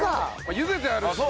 ゆでてあるしね。